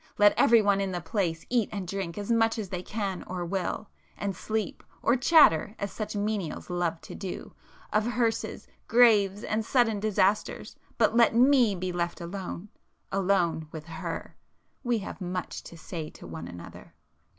Let everyone in the place eat and drink as much as they can or will,—and sleep, or chatter as such menials love to do, of hearses, graves and sudden disasters;—but let me be left alone,—alone with her;—we have much to say to one another!"